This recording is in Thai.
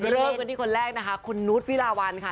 เริ่มกันที่คนแรกนะคะคุณนุษย์วิลาวันค่ะ